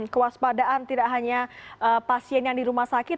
kewaspadaan tidak hanya pasien yang di rumah sakit